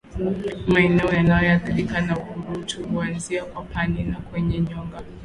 Maeneo yanayoathirika na ukurutu huanzia kwapani na kwenye nyonga